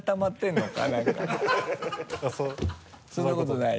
そんなことない。